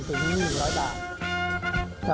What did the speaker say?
ตรงนี้๑๐๐บาท